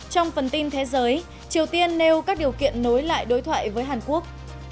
trong phần tin thế giới triều tiên nêu các điều kiện nối lại đối thoại với hàn quốc